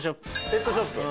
ペットショップ。